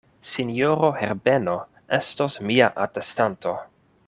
Sinjoro Herbeno estos mia atestanto.